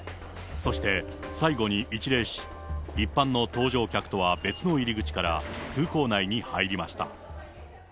そして最後に一礼し、一般の搭乗客とは別の入り口から、空港内に入りました。